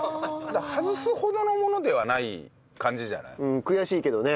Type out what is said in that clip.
外すほどのものではない感じじゃない？